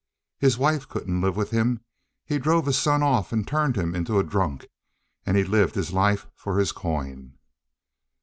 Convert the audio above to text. His wife couldn't live with him; he drove his son off and turned him into a drunk; and he's lived his life for his coin."